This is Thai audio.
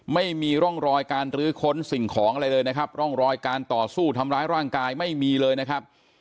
ไม่มีร่องรอยการรื้อค้นสิ่งของอะไรเลยนะครับร่องรอยการต่อสู้ทำร้ายร่างกายไม่มีเลยนะครับ